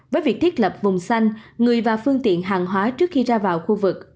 với việc thiết lập vùng xanh người và phương tiện hàng hóa trước khi ra vào khu vực